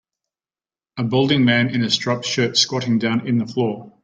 A balding man in a striped shirt squatting down in the floor.